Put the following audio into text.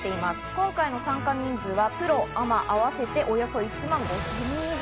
今回の参加人数はプロアマあわせておよそ１万５０００人以上。